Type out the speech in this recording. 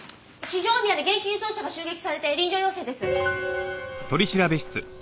大宮で現金輸送車が襲撃されて臨場要請です。